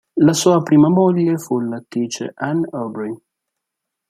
La sua prima moglie fu l'attrice Anne Aubrey.